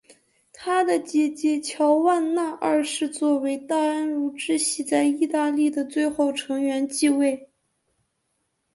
他的姐姐乔万娜二世作为大安茹支系在意大利的最后成员继位。